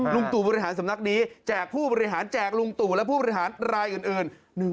ตู่บริหารสำนักนี้แจกผู้บริหารแจกลุงตู่และผู้บริหารรายอื่น